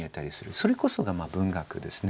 それこそが文学ですね。